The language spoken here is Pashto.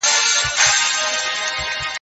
ټولنپوهان غواړي په حقایقو پوه سي.